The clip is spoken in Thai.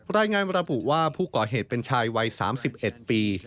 รายงานระบุว่าผู้ก่อเหตุเป็นชายวัย๓๑ปี